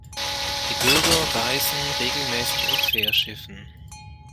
Die Bürger reisen regelmäßig auf Fährschiffen.